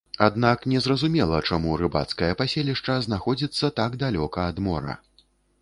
Аднак незразумела чаму рыбацкае паселішча знаходзіцца так далёка ад мора.